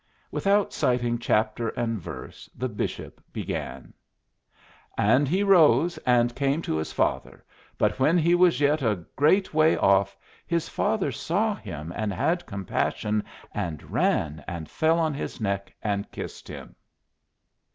Without citing chapter and verse the bishop began: "And he arose, and came to his father. But when he was yet a great way off, his father saw him, and had compassion, and ran, and fell on his neck and kissed him."